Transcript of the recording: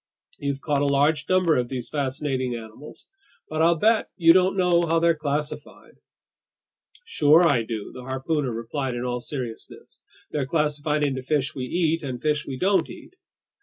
You've caught a large number of these fascinating animals. But I'll bet you don't know how they're classified." "Sure I do," the harpooner replied in all seriousness. "They're classified into fish we eat and fish we don't eat!"